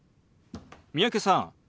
三宅さん